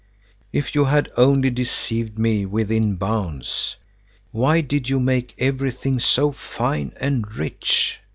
"If you had only deceived me within bounds! Why did you make everything so fine and rich?